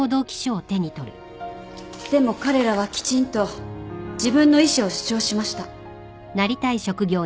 でも彼らはきちんと自分の意思を主張しました。